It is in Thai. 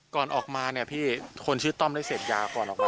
ก่อนออกมาเนี่ยพี่คนชื่อต้อมได้เสพยาก่อนออกมา